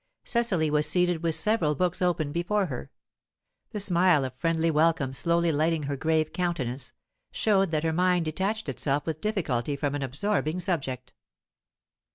Cecily was seated with several books open before her; the smile of friendly welcome slowly lighting her grave countenance, showed that her mind detached itself with difficulty from an absorbing subject.